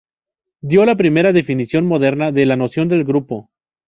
Dio la primera definición moderna de la noción de grupo.